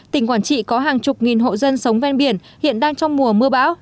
tỉnh quảng trị có hàng chục nghìn hộ dân sống ven biển hiện đang trong mùa mưa bão